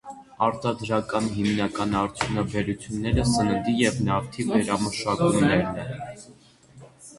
Արտադրական հիմնական արդյունաբերությունները սննդի և նավթի վերամշակումն են։